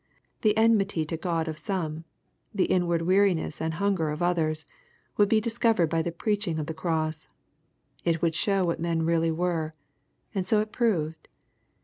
The enmity to God of some, — ^the inward weariness and hunger of others, would be discovered by the preaching of the cross. It would show what men really were. And so it proved.